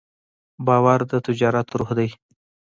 باور د تجارت روح دی.